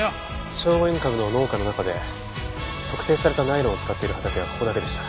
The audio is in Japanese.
聖護院かぶの農家の中で特定されたナイロンを使っている畑はここだけでした。